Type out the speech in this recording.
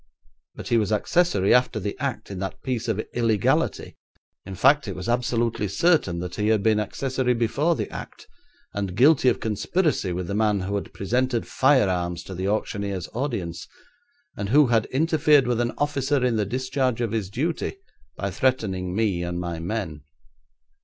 But he was accessory after the act in that piece of illegality in fact, it was absolutely certain that he had been accessory before the act, and guilty of conspiracy with the man who had presented firearms to the auctioneer's audience, and who had interfered with an officer in the discharge of his duty by threatening me and my men.